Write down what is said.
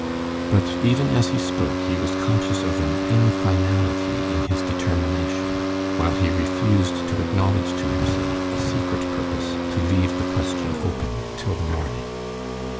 But even as he spoke he was conscious of an infinality in his determination, while he refused to acknowledge to himself a secret purpose to leave the question open till the morning.